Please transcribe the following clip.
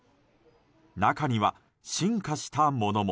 中には、進化したものも。